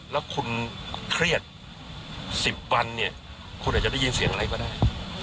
แล้วคุณเครียด๑๐วันเนี่ยคุณอาจจะได้ยินเสียงอะไรก็ได้